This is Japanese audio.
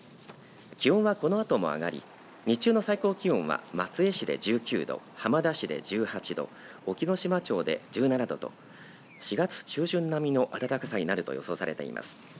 気温はこのあとも上がり日中の最高気温は松江市で１９度浜田市で１８度隠岐の島町で１７度と４月中旬並みの暖かさになると予想されています。